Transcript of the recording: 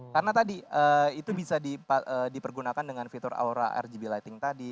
karena tadi itu bisa dipergunakan dengan fitur aura rgb lighting tadi